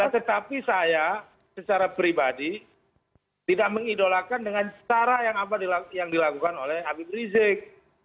tetapi saya secara pribadi tidak mengidolakan dengan cara yang dilakukan oleh habib rizik